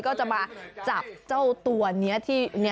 ก็จะมาจับเจ้าตัวนี้ที่